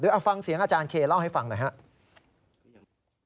เอาฟังเสียงอาจารย์เคเล่าให้ฟังหน่อยครับ